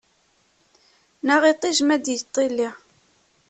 Neɣ iṭij ma d-yiṭṭili.